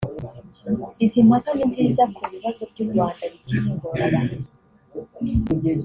Izi mpaka ni nziza ku bibazo by’u Rwanda bikiri ingorabahizi